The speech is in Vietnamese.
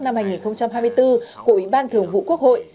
năm hai nghìn hai mươi bốn của ủy ban thường vụ quốc hội